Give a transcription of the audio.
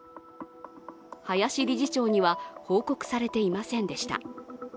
林理事長には報告されていませんでした。